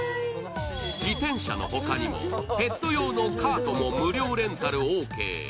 自転車の他にもペット用のカートも無料レンタルオーケー。